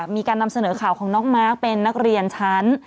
มีการนำเสนอข่าวของน้องมาร์คเป็นนักเรียนชั้น